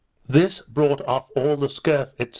This brought off all the scurf, &c.